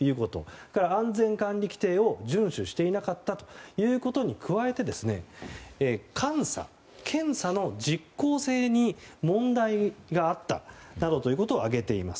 それから安全管理規程を順守していなかったということに加えて監査・検査の実効性に問題があったなどということを挙げています。